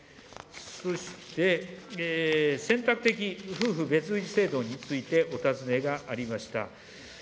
そして、選択的夫婦別氏制度についてお尋ねがありました。